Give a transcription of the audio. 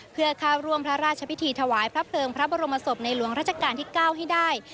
เพื่อเข้าร่วมพระราชพิธีถวายพระเพลิงพระบรมศพในหลวงราชการที่๙ให้ได้